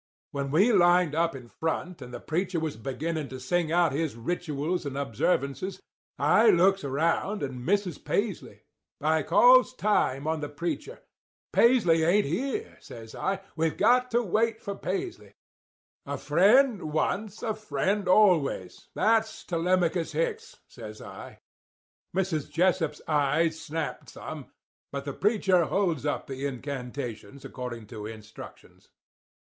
"When we lined up in front and the preacher was beginning to sing out his rituals and observances, I looks around and misses Paisley. I calls time on the preacher. 'Paisley ain't here,' says I. 'We've got to wait for Paisley. A friend once, a friend always—that's Telemachus Hicks,' says I. Mrs. Jessup's eyes snapped some; but the preacher holds up the incantations according to instructions.